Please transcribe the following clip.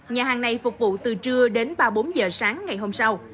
nhà hàng này phục vụ từ trưa đến ba mươi bốn giờ sáng ngày hôm sau